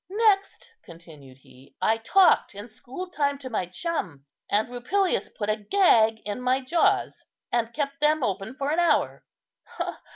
"Next," continued he, "I talked in school time to my chum; and Rupilius put a gag in my jaws, and kept them open for an hour."